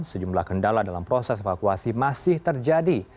sejumlah kendala dalam proses evakuasi masih terjadi